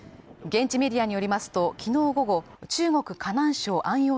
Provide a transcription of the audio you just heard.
現地メディアによりますときのう午後中国河南省安陽